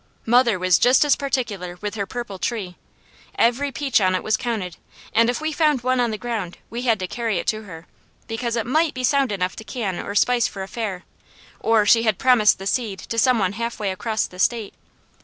Mother was just as particular with her purple tree; every peach on it was counted, and if we found one on the ground, we had to carry it to her, because it MIGHT be sound enough to can or spice for a fair, or she had promised the seed to some one halfway across the state.